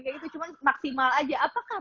kayak gitu cuman maksimal aja apakah